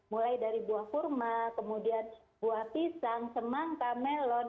mulai dari buah kurma kemudian buah pisang semangka melon